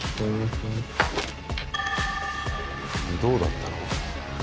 どうだったの？